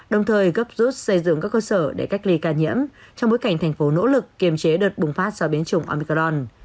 đồng thời gấp rút xây dựng các cơ sở để cách ly ca nhiễm trong bối cảnh thành phố nỗ lực kiềm chế đợt bùng phát sau biến chủng omicron